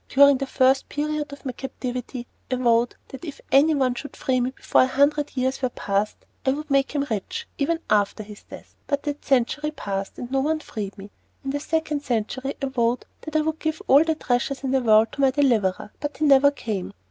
During the first period of my captivity I vowed that if anyone should free me before a hundred years were passed, I would make him rich even after his death. But that century passed, and no one freed me. In the second century I vowed that I would give all the treasures in the world to my deliverer; but he never came.